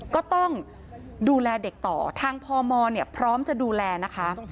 ก็ต้องดูแลเด็กต่อทางพมเนี่ยพร้อมจะดูแลนะคะ